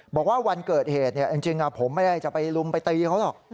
บอกว่าวันเกิดเหตุจริงผมไม่ได้จะไปลุมไปตีเขาหรอก